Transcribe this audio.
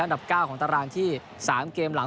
ดับ๙ของตารางที่๓เกมหลัง